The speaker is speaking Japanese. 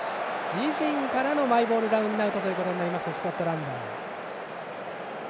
自陣からのマイボールラインアウトになるスコットランド。